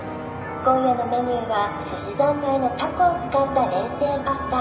今夜のメニューは「すしざんまい」のタコを使った冷製パスタ。